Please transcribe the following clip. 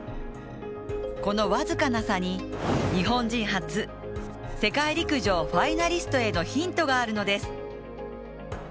この僅かな差に、日本人初世界陸上ファイナリストへのヒントがあるのです。